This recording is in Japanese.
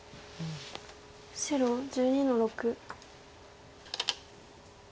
白１２の六。